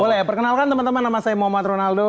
boleh ya perkenalkan teman teman nama saya mohd ronaldo